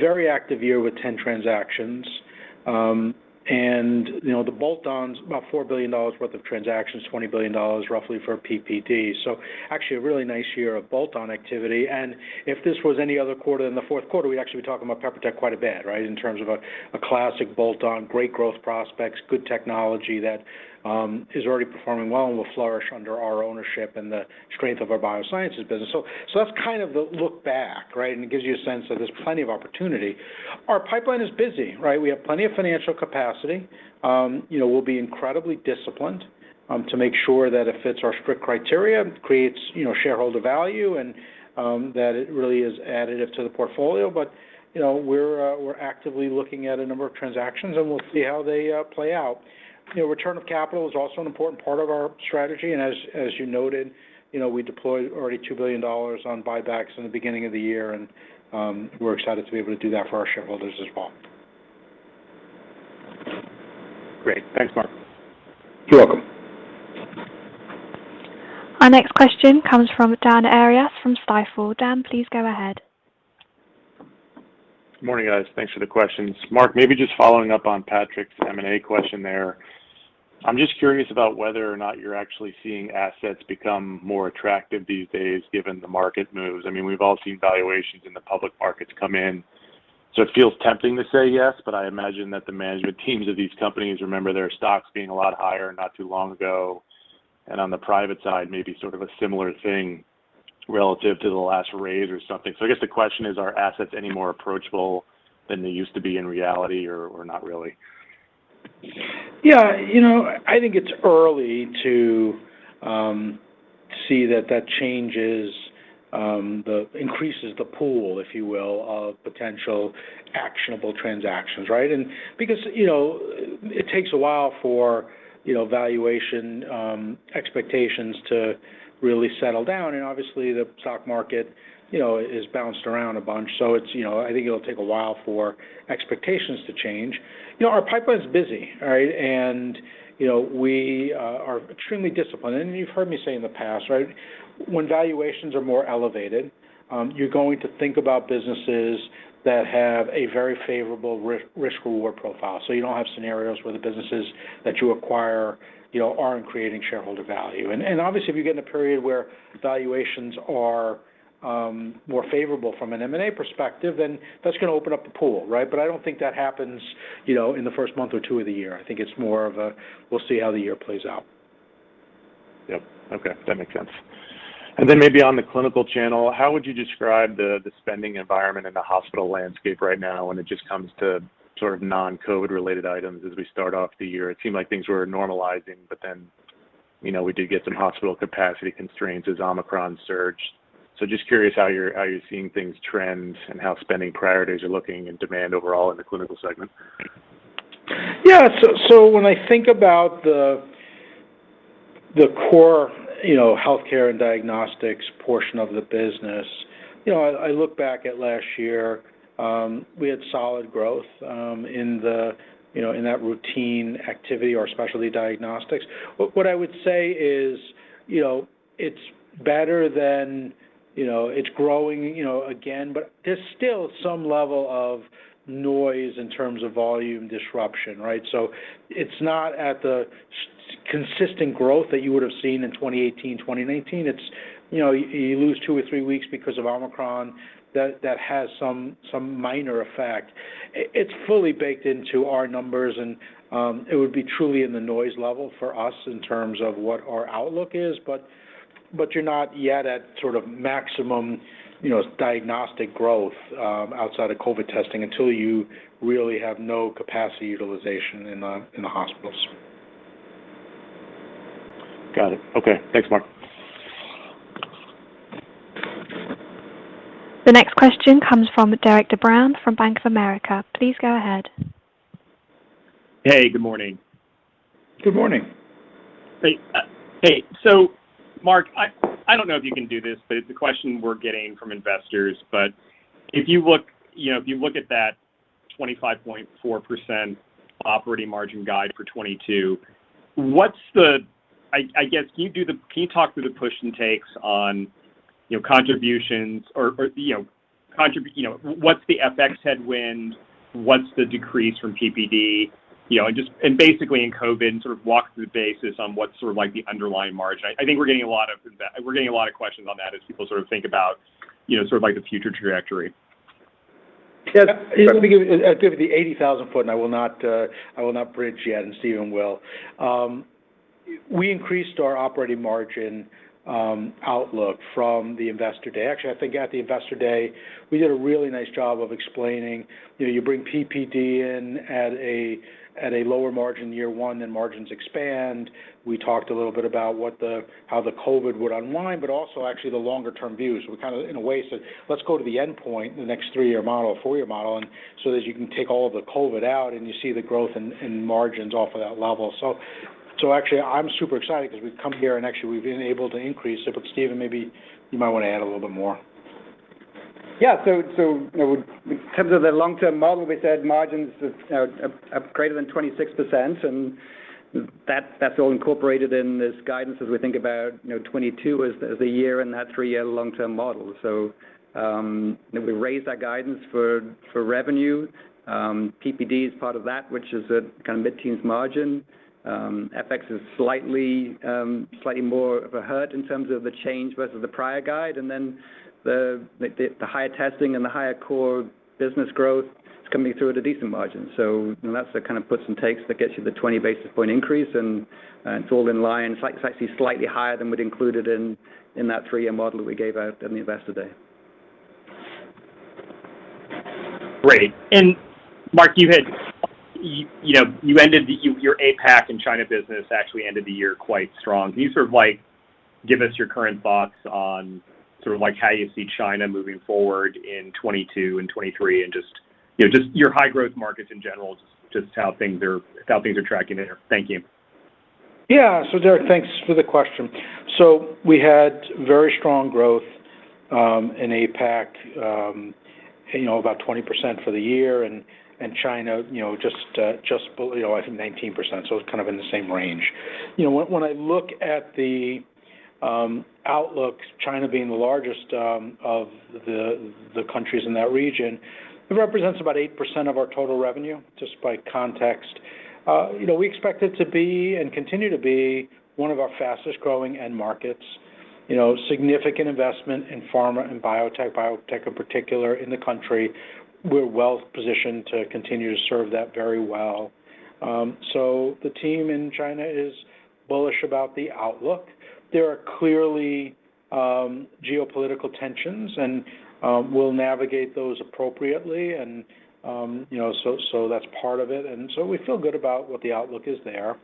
Very active year with 10 transactions. You know, the bolt-ons, about $4 billion worth of transactions, $20 billion roughly for a PPD. Actually a really nice year of bolt-on activity. If this was any other quarter than the fourth quarter, we'd actually be talking about PeproTech quite a bit, right? In terms of a classic bolt-on, great growth prospects, good technology that is already performing well and will flourish under our ownership and the strength of our biosciences business. That's kind of the look back, right? It gives you a sense that there's plenty of opportunity. Our pipeline is busy, right? We have plenty of financial capacity. You know, we'll be incredibly disciplined to make sure that it fits our strict criteria and creates, you know, shareholder value and that it really is additive to the portfolio. You know, we're actively looking at a number of transactions, and we'll see how they play out. You know, return of capital is also an important part of our strategy. As you noted, you know, we deployed already $2 billion on buybacks in the beginning of the year, and we're excited to be able to do that for our shareholders as well. Great. Thanks, Marc. You're welcome. Our next question comes from Dan Arias from Stifel. Dan, please go ahead. Good morning, guys. Thanks for the questions. Marc, maybe just following up on Patrick's M&A question there. I'm just curious about whether or not you're actually seeing assets become more attractive these days given the market moves? I mean, we've all seen valuations in the public markets come in, so it feels tempting to say yes, but I imagine that the management teams of these companies remember their stocks being a lot higher not too long ago. On the private side, maybe sort of a similar thing relative to the last raise or something. I guess the question is, are assets any more approachable than they used to be in reality or not really? Yeah. You know, I think it's early to see that changes increases the pool, if you will, of potential actionable transactions, right? Because, you know, it takes a while for, you know, valuation expectations to really settle down. Obviously the stock market, you know, is bounced around a bunch. It's, you know, I think it'll take a while for expectations to change. You know, our pipeline's busy, right? You know, we are extremely disciplined. You've heard me say in the past, right, when valuations are more elevated, you're going to think about businesses that have a very favorable risk reward profile. You don't have scenarios where the businesses that you acquire, you know, aren't creating shareholder value. Obviously if you get in a period where valuations are more favorable from an M&A perspective, then that's gonna open up the pool, right? I don't think that happens, you know, in the first month or two of the year. I think it's more of a we'll see how the year plays out. Yep. Okay. That makes sense. Maybe on the clinical channel, how would you describe the spending environment in the hospital landscape right now when it just comes to sort of non-COVID related items as we start off the year? It seemed like things were normalizing, but then, you know, we did get some hospital capacity constraints as Omicron surged. Just curious how you're seeing things trend and how spending priorities are looking and demand overall in the clinical segment? Yeah. When I think about the core, you know, healthcare and diagnostics portion of the business, you know, I look back at last year. We had solid growth in the, you know, in that routine activity or Specialty Diagnostics. What I would say is you know, it's better than you know, it's growing, you know, again, but there's still some level of noise in terms of volume disruption, right? It's not at the consistent growth that you would have seen in 2018, 2019. You know, you lose two or three weeks because of Omicron that has some minor effect. It's fully baked into our numbers, and it would be truly in the noise level for us in terms of what our outlook is. You're not yet at sort of maximum, you know, diagnostic growth outside of COVID testing until you really have no capacity utilization in the hospitals. Got it. Okay. Thanks, Marc. The next question comes from Derik de Bruin from Bank of America. Please go ahead. Hey, good morning. Good morning. Hey, Marc, I don't know if you can do this, but it's a question we're getting from investors. If you look at that 25.4% operating margin guide for 2022, what's the, I guess, can you talk through the push and takes on, you know, contributions or, you know, what's the FX headwind? What's the decrease from PPD? You know, and just basically in COVID, sort of walk through the basis on what's sort of like the underlying margin. I think we're getting a lot of questions on that as people sort of think about, you know, sort of like the future trajectory. Yeah. Let me give the 80,000-ft, and I will not bridge yet, and Stephen will. We increased our operating margin outlook from the Investor Day. Actually, I think at the Investor Day, we did a really nice job of explaining, you know, you bring PPD in at a lower margin year one, then margins expand. We talked a little bit about how the COVID would unwind, but also actually the longer term views. We kind of in a way said, "Let's go to the endpoint, the next three-year model, four-year model, and so that you can take all the COVID out, and you see the growth in margins off of that level." So actually I'm super excited because we've come here and actually we've been able to increase it. Stephen, maybe you might want to add a little bit more. Yeah. You know, in terms of the long-term model, we said margins of greater than 26%, and that's all incorporated in this guidance as we think about, you know, 2022 as a year in that three-year long term model. We raised our guidance for revenue. PPD is part of that, which is a kind of mid-teens margin. FX is slightly more of a hurt in terms of the change versus the prior guide. The higher testing and the higher core business growth is coming through at a decent margin. That's the kind of puts and takes that gets you the 20 basis points increase, and it's all in line. It's actually slightly higher than we'd included in that three-year model that we gave out in the Investor Day. Great. Marc, you had, you know, you ended your APAC and China business actually ended the year quite strong. Can you sort of like give us your current thoughts on sort of like how you see China moving forward in 2022 and 2023 and just, you know, just your high growth markets in general, just how things are tracking there? Thank you. Derik, thanks for the question. We had very strong growth in APAC, you know, about 20% for the year. China, you know, just below, I think 19%, so it's kind of in the same range. You know, when I look at the outlook, China being the largest of the countries in that region, it represents about 8% of our total revenue, just by context. You know, we expect it to be and continue to be one of our fastest-growing end markets. You know, significant investment in pharma and biotech in particular in the country. We're well-positioned to continue to serve that very well. The team in China is bullish about the outlook. There are clearly geopolitical tensions, and we'll navigate those appropriately. That's part of it. We feel good about what the outlook is there.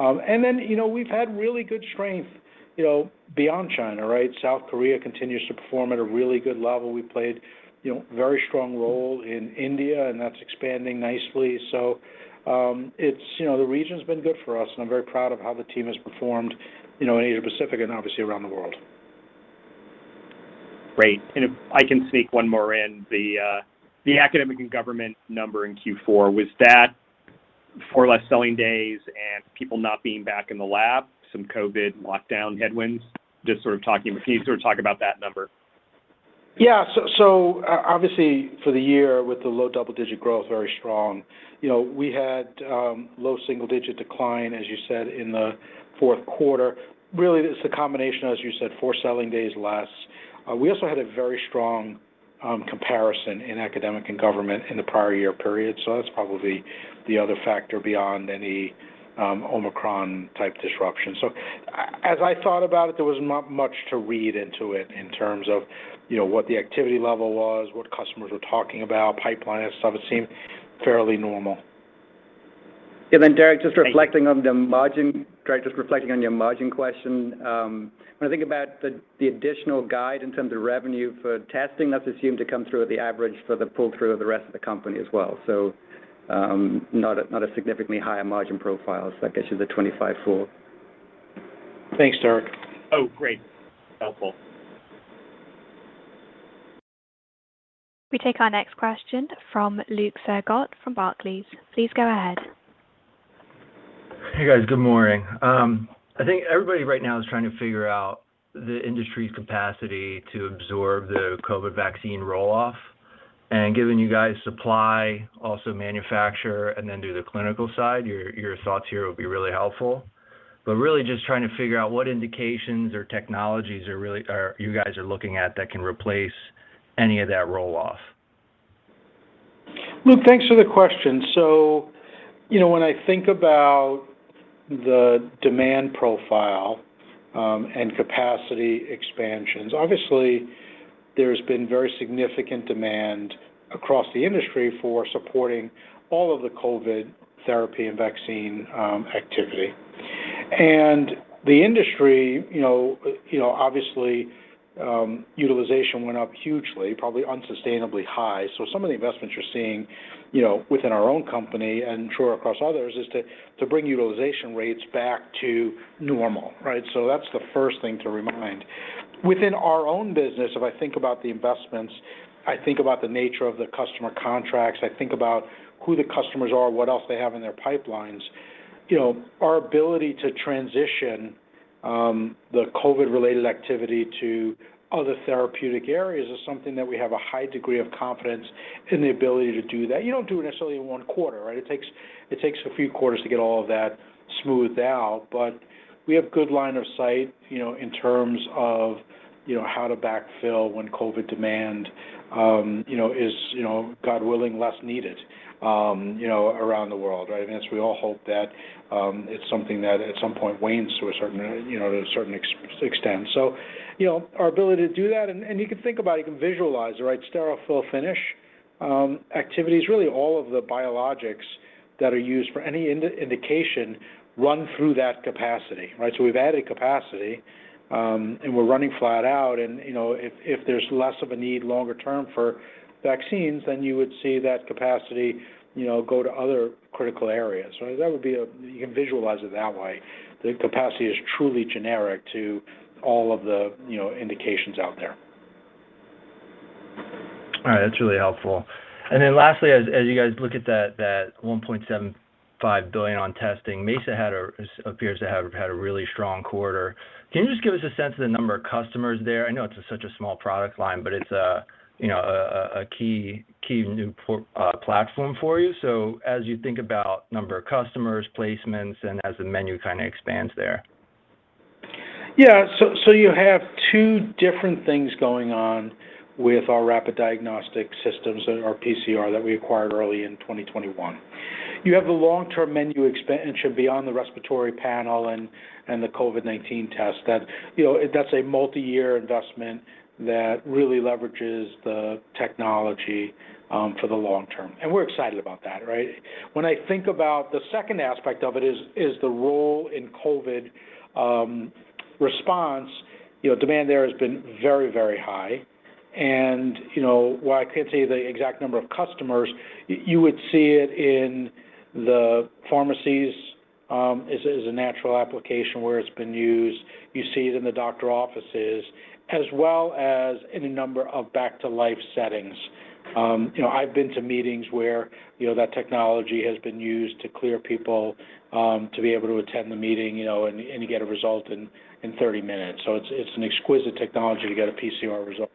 You know, we've had really good strength, you know, beyond China, right? South Korea continues to perform at a really good level. We played, you know, very strong role in India, and that's expanding nicely. It's, you know, the region's been good for us, and I'm very proud of how the team has performed, you know, in Asia-Pacific and obviously around the world. Great. If I can sneak one more in, the academic and government number in Q4, was that four less selling days and people not being back in the lab, some COVID lockdown headwinds, just sort of. If you could sort of talk about that number. Yeah. Obviously for the year with the low double-digit growth, very strong. You know, we had low single digit decline, as you said, in the fourth quarter. Really, it's a combination, as you said, 4 selling days less. We also had a very strong comparison in academic and government in the prior year period, so that's probably the other factor beyond any Omicron type disruption. I thought about it, there was not much to read into it in terms of, you know, what the activity level was, what customers were talking about, pipeline and stuff. It seemed fairly normal. Derik, just reflecting on your margin question, when I think about the additional guide in terms of revenue for testing, that's assumed to come through at the average for the pull-through of the rest of the company as well. Not a significantly higher margin profile. That gets you the 25.4%. Thanks, Derik. Oh, great. Helpful. We take our next question from Luke Sergott from Barclays. Please go ahead. Hey guys. Good morning. I think everybody right now is trying to figure out the industry's capacity to absorb the COVID vaccine roll-off, and given you guys supply, also manufacture, and then do the clinical side, your thoughts here would be really helpful. Really just trying to figure out what indications or technologies you guys are looking at that can replace any of that roll-off? Luke, thanks for the question. You know, when I think about the demand profile, and capacity expansions, obviously there's been very significant demand across the industry for supporting all of the COVID therapy and vaccine, activity. The industry, you know, obviously, utilization went up hugely, probably unsustainably high. Some of the investments you're seeing, you know, within our own company, and I'm sure across others, is to bring utilization rates back to normal, right? That's the first thing to remind. Within our own business, if I think about the investments, I think about the nature of the customer contracts, I think about who the customers are, what else they have in their pipelines. You know, our ability to transition the COVID-related activity to other therapeutic areas is something that we have a high degree of confidence in the ability to do that. You don't do it necessarily in one quarter, right? It takes a few quarters to get all of that smoothed out. But we have good line of sight, you know, in terms of, you know, how to backfill when COVID demand is, you know, God willing, less needed, you know, around the world, right? I mean, as we all hope that it's something that at some point wanes to a certain, you know, to a certain extent. You know, our ability to do that, and you can think about it, you can visualize it, right? Sterile fill finishing activities, really all of the biologics that are used for any indication run through that capacity, right? We've added capacity, and we're running flat out and, if there's less of a need longer term for vaccines, then you would see that capacity go to other critical areas. That would be a. You can visualize it that way. The capacity is truly generic to all of the indications out there. All right. That's really helpful. Lastly, as you guys look at that $1.75 billion on testing, Mesa appears to have had a really strong quarter. Can you just give us a sense of the number of customers there? I know it's such a small product line, but it's a you know key new platform for you. As you think about number of customers, placements, and as the menu kinda expands there. Yeah. You have two different things going on with our rapid diagnostic systems and our PCR that we acquired early in 2021. You have the long-term menu should be on the respiratory panel and the COVID-19 test. That, you know, that's a multiyear investment that really leverages the technology for the long term, and we're excited about that, right? When I think about the second aspect of it is the role in COVID response. You know, demand there has been very, very high and, you know, while I can't tell you the exact number of customers, you would see it in the pharmacies as a natural application where it's been used. You see it in the doctor offices as well as in a number of back to life settings. You know, I've been to meetings where, you know, that technology has been used to clear people to be able to attend the meeting, you know, and you get a result in 30 minutes. It's an exquisite technology to get a PCR result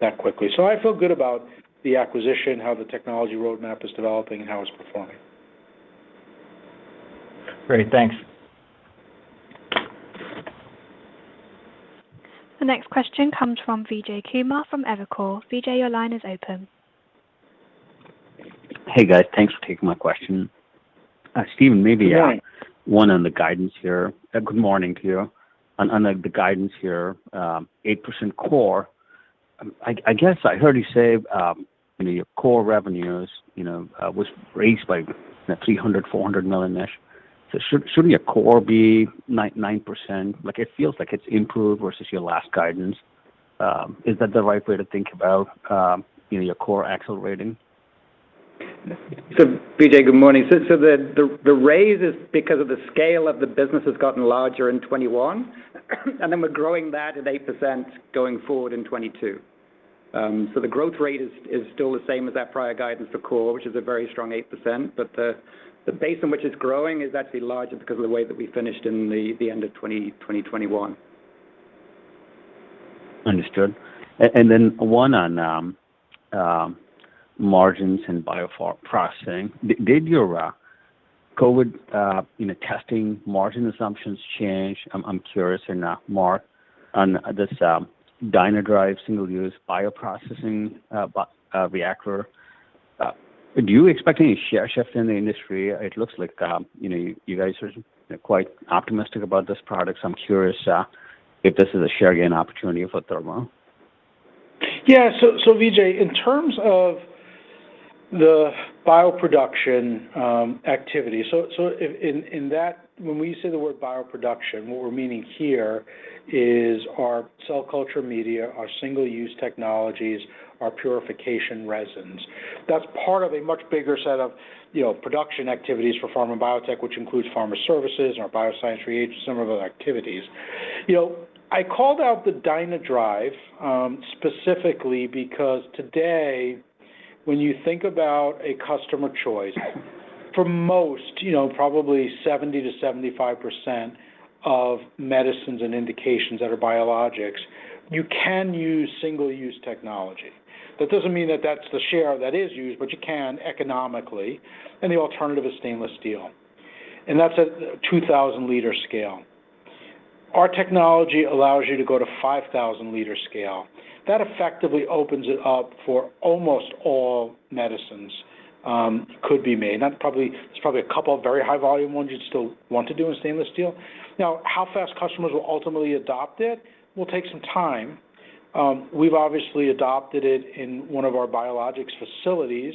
that quickly. I feel good about the acquisition, how the technology roadmap is developing and how it's performing. Great. Thanks. The next question comes from Vijay Kumar from Evercore. Vijay, your line is open. Hey, guys. Thanks for taking my question. Stephen, maybe. Yeah One on the guidance here. Good morning to you. On, like, the guidance here, 8% core, I guess I heard you say, you know, your core revenues, you know, was raised by $300-$400 million-ish. So should your core be 9%? Like, it feels like it's improved versus your last guidance. Is that the right way to think about, you know, your core accelerating? Vijay, good morning. The raise is because of the scale of the business has gotten larger in 2021, and then we're growing that at 8% going forward in 2022. The growth rate is still the same as our prior guidance for core, which is a very strong 8%. The base on which it's growing is actually larger because of the way that we finished in the end of 2021. Understood. Then one on margins and biopharma processing. Did your COVID, you know, testing margin assumptions change? I'm curious in more on this DynaDrive single-use bioprocessing bioreactor. Do you expect any share shift in the industry? It looks like, you know, you guys are quite optimistic about this product. I'm curious if this is a share gain opportunity for Thermo. Vijay, in terms of the bioproduction activity. When we say the word bioproduction, what we're meaning here is our cell culture media, our single-use technologies, our purification resins. That's part of a much bigger set of, you know, production activities for pharma biotech, which includes pharma services and our bioscience reagents, some of the activities. You know, I called out the DynaDrive specifically because today when you think about a customer choice, for most, you know, probably 70%-75% of medicines and indications that are biologics, you can use single-use technology. That doesn't mean that that's the share that is used, but you can economically, and the alternative is stainless steel. That's a 2,000-L scale. Our technology allows you to go to 5,000-L scale. That effectively opens it up for almost all medicines that could be made. Now, there's probably a couple of very high volume ones you'd still want to do in stainless steel. Now, how fast customers will ultimately adopt it will take some time. We've obviously adopted it in one of our biologics facilities,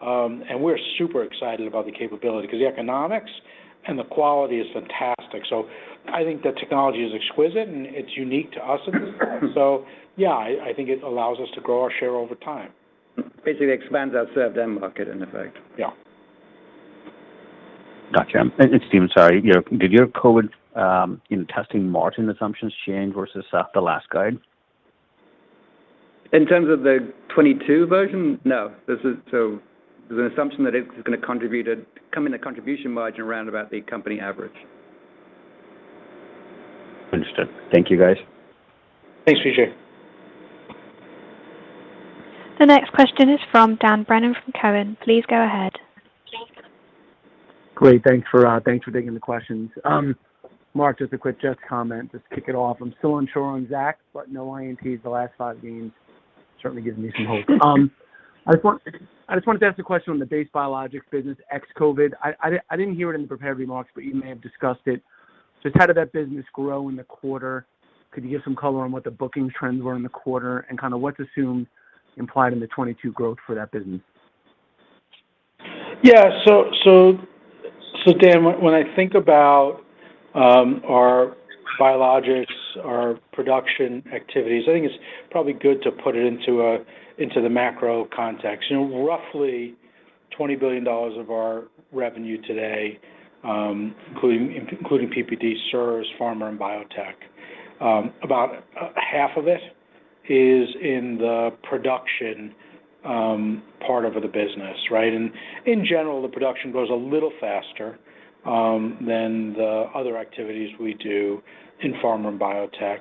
and we're super excited about the capability 'cause the economics and the quality is fantastic. I think the technology is exquisite, and it's unique to us. Yeah, I think it allows us to grow our share over time. Basically expands our served end market in effect. Yeah. Gotcha. It's Stephen, sorry. Did your COVID testing margin assumptions change versus at the last guide? In terms of the 2022 version? No. There's an assumption that it is gonna come in a contribution margin around about the company average. Understood. Thank you, guys. Thanks, Vijay. The next question is from Dan Brennan from Cowen. Please go ahead. Great. Thanks for taking the questions. Marc, just a quick comment, just kick it off. I'm still unsure on Zach, but no INTs the last five games certainly gives me some hope. I just wanted to ask a question on the base biologics business, ex-COVID. I didn't hear it in the prepared remarks, but you may have discussed it. Just how did that business grow in the quarter? Could you give some color on what the booking trends were in the quarter and kinda what to assume implied in the 2022 growth for that business? Dan, when I think about our biologics, our production activities, I think it's probably good to put it into the macro context. You know, roughly $20 billion of our revenue today, including PPD, services, pharma, and biotech, about half of it is in the production part of the business, right? In general, the production grows a little faster than the other activities we do in pharma and biotech.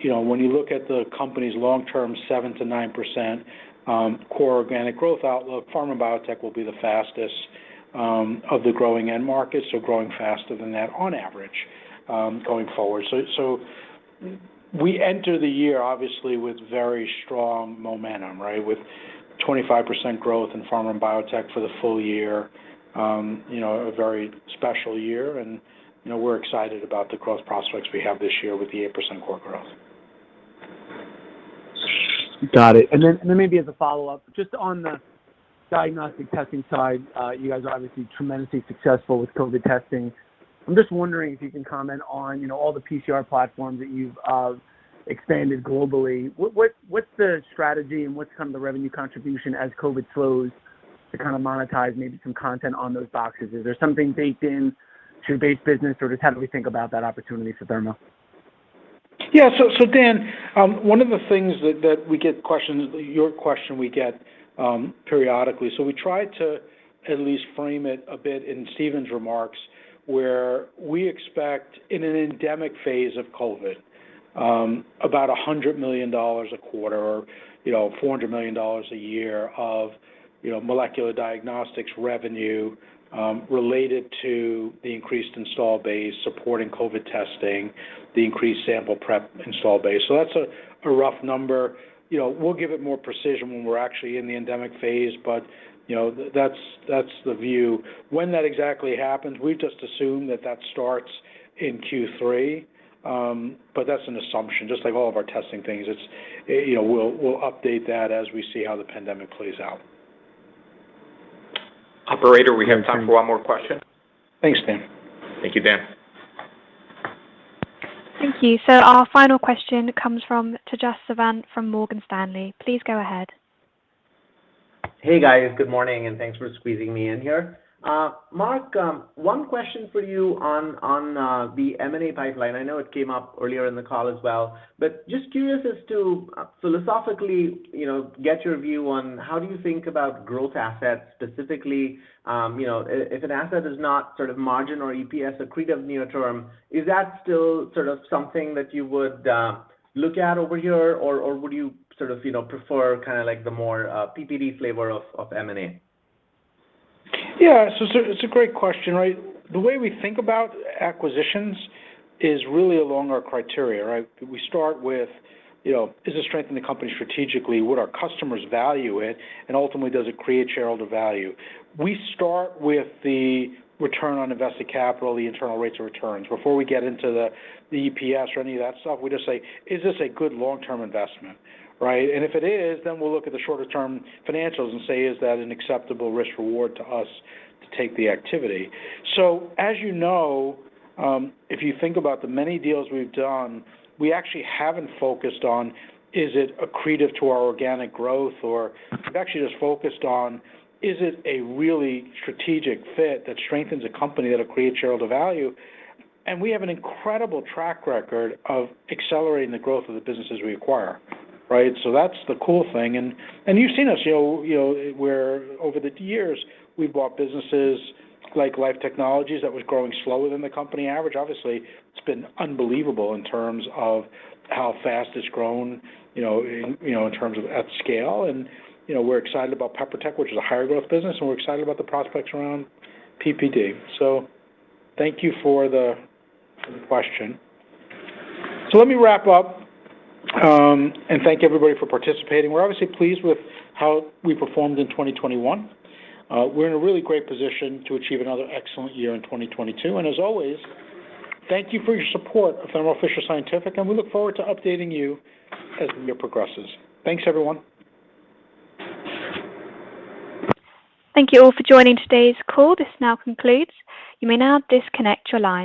You know, when you look at the company's long-term 7%-9% core organic growth outlook, pharma, and biotech will be the fastest of the growing end markets, so growing faster than that on average, going forward. We enter the year obviously with very strong momentum, right, with 25% growth in pharma and biotech for the full year. You know, a very special year and, you know, we're excited about the growth prospects we have this year with the 8% core growth. Got it. Then maybe as a follow-up, just on the diagnostic testing side, you guys are obviously tremendously successful with COVID testing. I'm just wondering if you can comment on, you know, all the PCR platforms that you've expanded globally? What's the strategy and what's kind of the revenue contribution as COVID slows to kind of monetize maybe some content on those boxes? Is there something baked in to base business, or just how do we think about that opportunity for Thermo? Yeah. Dan, one of the things that we get questions, your question we get, periodically, we tried to at least frame it a bit in Stephen's remarks, where we expect in an endemic phase of COVID, about $100 million a quarter or, you know, $400 million a year of, you know, molecular diagnostics revenue, related to the increased installed base supporting COVID testing, the increased sample prep installed base. That's a rough number. You know, we'll give it more precision when we're actually in the endemic phase, but you know, that's the view. When that exactly happens, we just assume that starts in Q3, but that's an assumption, just like all of our testing things. You know, we'll update that as we see how the pandemic plays out. Operator, we have time for one more question. Thanks, Dan. Thank you, Dan. Thank you. Our final question comes from Tejas Savant from Morgan Stanley. Please go ahead. Hey, guys. Good morning, and thanks for squeezing me in here. Marc, one question for you on the M&A pipeline. I know it came up earlier in the call as well, but just curious as to philosophically, you know, get your view on how do you think about growth assets specifically, you know, if an asset is not sort of margin or EPS accretive near-term, is that still sort of something that you would look at over here? Or would you sort of, you know, prefer kinda like the more PPD flavor of M&A? Yeah. It's a great question, right? The way we think about acquisitions is really along our criteria, right? We start with, you know, does it strengthen the company strategically, would our customers value it, and ultimately, does it create shareholder value? We start with the return on invested capital, the internal rates of returns. Before we get into the EPS or any of that stuff, we just say, "Is this a good long-term investment," right? If it is, we'll look at the shorter term financials and say, "Is that an acceptable risk reward to us to take the activity?" As you know, if you think about the many deals we've done, we actually haven't focused on is it accretive to our organic growth, or we've actually just focused on is it a really strategic fit that strengthens the company that'll create shareholder value. We have an incredible track record of accelerating the growth of the businesses we acquire, right? That's the cool thing. You've seen us, you know, you know, where over the years we've bought businesses like Life Technologies that was growing slower than the company average. Obviously, it's been unbelievable in terms of how fast it's grown, you know, you know, in terms of at scale. You know, we're excited about PeproTech, which is a higher growth business, and we're excited about the prospects around PPD. Thank you for the question. Let me wrap up and thank everybody for participating. We're obviously pleased with how we performed in 2021. We're in a really great position to achieve another excellent year in 2022. As always, thank you for your support of Thermo Fisher Scientific, and we look forward to updating you as the year progresses. Thanks, everyone. Thank you all for joining today's call. This now concludes. You may now disconnect your line.